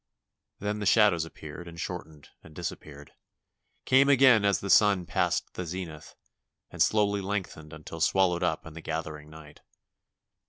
Then the shadows appeared and shortened and disappeared; came again as the sun passed the zenith, and slowly lengthened until swallowed up in the gathering night.